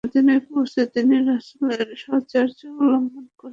মদীনায় পৌঁছে তিনি রাসূলের সাহচর্য অবলম্বন করলেন।